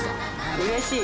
うれしい。